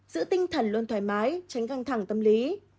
giữ tinh thần luôn thoải mái tránh căng thẳng tâm lý